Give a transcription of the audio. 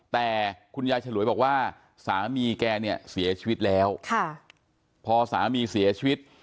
แต่คุณยายฉลวยบอกว่าสามีแกเนี่ยเสียชีวิตแล้วค่ะพอสามีเสียชีวิต